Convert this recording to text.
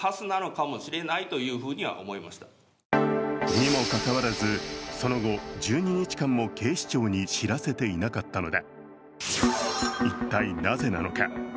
にもかかわらず、その後１２日間も警視庁に知らせていなかったのだ。